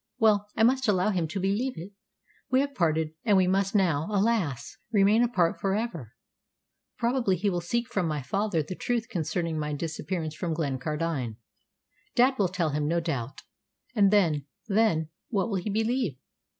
Well, I must allow him to believe it. We have parted, and we must now, alas! remain apart for ever. Probably he will seek from my father the truth concerning my disappearance from Glencardine. Dad will tell him, no doubt. And then then, what will he believe?